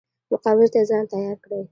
مقابلې ته ځان تیار کړي.